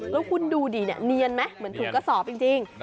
แล้วคุณดูดิเนี่ยเนียนไหมเหมือนถุงกระสอบจริง